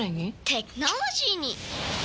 テクノロジーに！